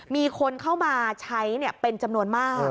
มีคนเข้ามาใช้เป็นจำนวนมาก